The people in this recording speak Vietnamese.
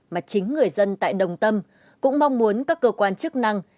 mà chính người dân tại đồng tâm cũng mong muốn các cơ quan chức năng